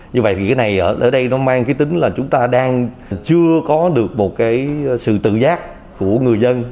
như vậy thì cái này ở đây nó mang cái tính là chúng ta đang chưa có được một cái sự tự giác của người dân